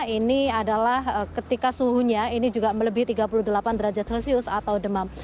ini adalah ketika suhunya ini juga melebih tiga puluh delapan derajat celcius atau demam